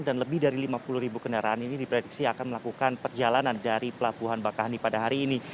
dan lebih dari lima puluh ribu kendaraan ini diprediksi akan melakukan perjalanan dari pelabuhan bakauhani pada hari ini